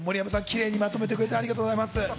キレイにまとめてくれてありがとうございます。